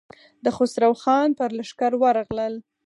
د خسرو خان پر لښکر ورغلل.